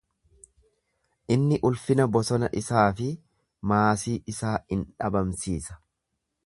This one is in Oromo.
Inni ulfina bosona isaa fi maasii isaa in dhabamsiisa.